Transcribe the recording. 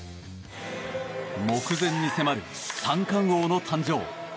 目前に迫る三冠王の誕生。